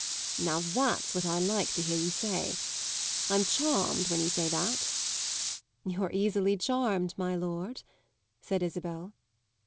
"Now that's what I like to hear you say. I'm charmed when you say that." "You're easily charmed, my lord," said Isabel.